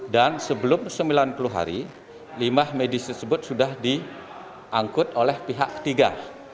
sebelum sembilan puluh hari limbah medis tersebut sudah diangkut oleh pihak ketiga